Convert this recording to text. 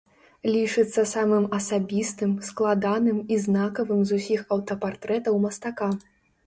Лічыцца самым асабістым, складаным і знакавым з усіх аўтапартрэтаў мастака.